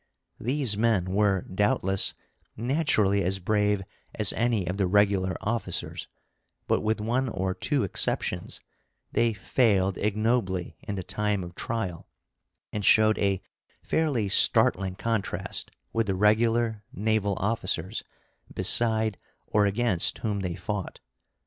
These men were, doubtless, naturally as brave as any of the regular officers; but, with one or two exceptions, they failed ignobly in the time of trial, and showed a fairly startling contrast with the regular naval officers beside or against whom they fought.